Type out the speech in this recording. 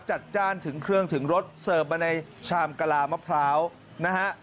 จ้านถึงเครื่องถึงรสเสิร์ฟมาในชามกะลามะพร้าวนะฮะ